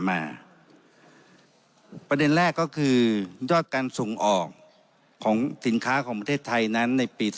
ประเด็นแรกก็คือยอดการส่งออกของสินค้าของประเทศไทยนั้นในปี๒๕